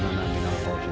kamu tidak apa apa